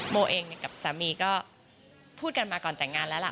โบเองกับสามีก็พูดกันมาก่อนแต่งงานแล้วล่ะ